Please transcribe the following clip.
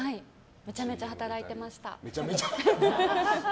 めちゃめちゃ働いてました。